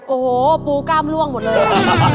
โอ้โหปูกล้ามล่วงหมดเลย